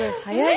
はい。